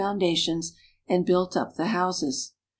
foundations and built up the houses.